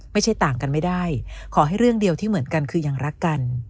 ไม่ใช่ต่างกันไม่ได้ขอให้เรื่องเดียวที่เหมือนกันคือยังรักกัน